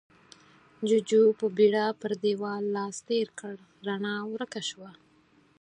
جُوجُو په بيړه پر دېوال لاس تېر کړ، رڼا ورکه شوه.